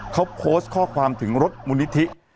เขาโพสต์ข้อความถึงรถมูลนิธิ